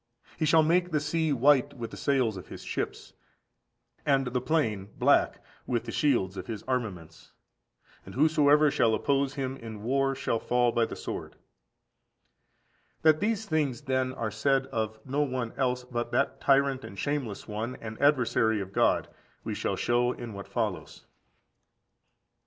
He shall make the sea white with the sails of his ships, and the plain black with the shields of his armaments. And whosoever shall oppose him in war shall fall by the sword."14361436 Perhaps from an apocryphal book, as also below in ch. liv. That these things, then, are said of no one else but that tyrant, and shameless one, and adversary of God, we shall show in what follows.